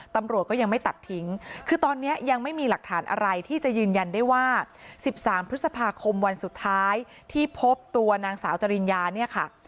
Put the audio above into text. ตำรวจก็ยังไม่ตัดทิ้งคือตอนนี้ยังไม่มีหลักฐานอะไรที่จะยืนยันได้ว่า๑๓พฤษภาคมวันสุดท้ายที่พบตัวนางสาวจริญญาเนี่ยค่ะ